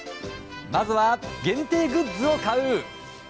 まずは限定グッズを買う。